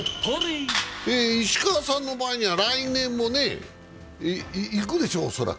石川さんの場合には来年も、恐らく行くでしょう。